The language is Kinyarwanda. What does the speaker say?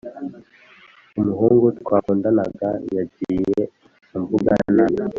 Umuhungu twakundanaga yagiye amvuga nabi